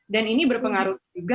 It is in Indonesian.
dan ini berpengaruh juga